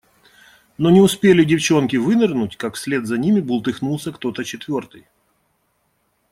Но не успели девчонки вынырнуть, как вслед за ними бултыхнулся кто-то четвертый.